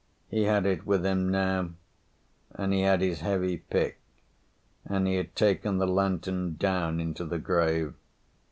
He had it with him now, and he had his heavy pick, and he had taken the lantern down into the grave.